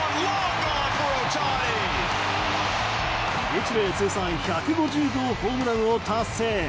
日米通算１５０号ホームランを達成。